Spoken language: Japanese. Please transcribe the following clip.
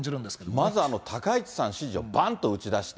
まず、高市さん支持をばんと打ち出した。